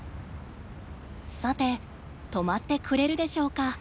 さて止まってくれるでしょうか。